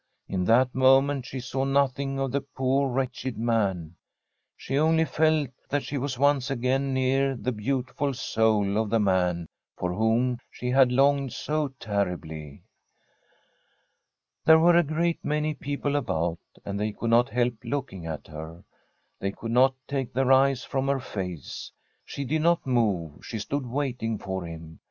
In that moment she saw nothing of the poor wretched man. She only felt that she was once again near the beau tiful soul of the man for whom she had longed so terribly. There were a great many people about, and they could not help looking at her. They could not take their eyes from her face. She did not move; she stood waiting for him.